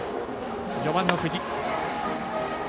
４番の藤井です。